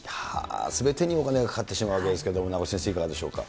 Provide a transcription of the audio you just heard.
すべてにお金がかかってしまうわけですけれども、名越先生、いかがでしょうか。